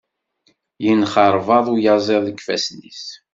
Yenxerbaḍ uyaziḍ deg ifassen-is.